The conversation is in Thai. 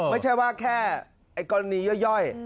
ไม่ใช่ว่าแค่กรณีย่อย